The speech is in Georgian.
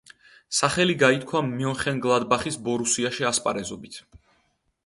სახელი გაითქვა მენხენგლადბახის ბორუსიაში ასპარეზობით.